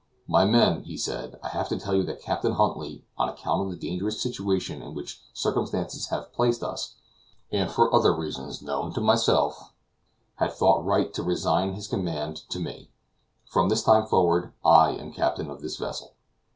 "My men," he said, "I have to tell you that Captain Huntly, on account of the dangerous situation in which circumstances have placed us, and for other reasons known to myself, has thought right to resign his command to me. From this time forward, I am captain of this vessel."